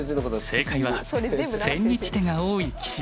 正解は千日手が多い棋士。